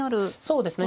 そうですね。